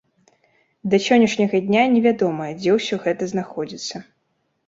Да сённяшняга дня невядома, дзе ўсё гэта знаходзіцца.